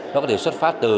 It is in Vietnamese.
nó có thể xuất phát từ